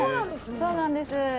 そうなんです。